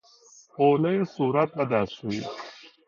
حوله صورت و دستشویی